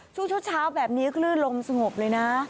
ชุดชัวร์แบบนี้ฮึ้นลมสงบเลยนะ